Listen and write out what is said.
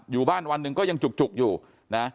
อยู่บ้านวันหนึ่งก็ยังจุกอยู่นะ